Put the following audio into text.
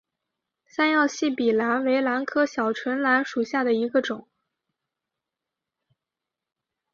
三药细笔兰为兰科小唇兰属下的一个种。